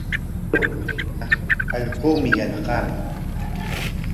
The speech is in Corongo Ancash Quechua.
Maytapis aywaptiiqa allquumi yanaqaman.